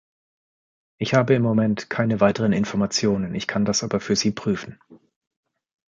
Ich habe im Moment keine weiteren Informationen, ich kann das aber für Sie prüfen.